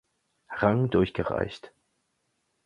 Rang durchgereicht.